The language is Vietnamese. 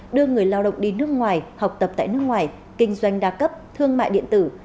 đưa người lao động đi nước ngoài học tập tại nước ngoài kinh doanh đa cấp thương mại điện tử